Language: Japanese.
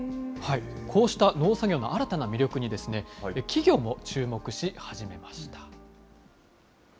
こうした農作業の新たな魅力に、企業も注目し始めました。